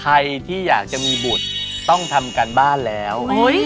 ใครที่อยากจะมีบุตรต้องทำการบ้านแล้ว